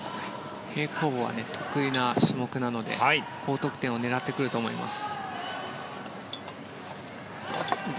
平行棒は得意な種目なので高得点を狙ってくると思います。